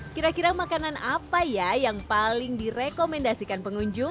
kira kira makanan apa ya yang paling direkomendasikan pengunjung